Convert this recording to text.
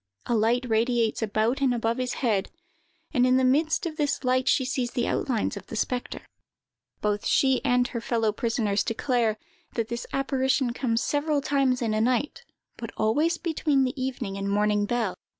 A light radiates about and above his head, and in the midst of this light she sees the outlines of the spectre. "Both she and her fellow prisoners declare, that this apparition comes several times in a night, but always between the evening and morning bell.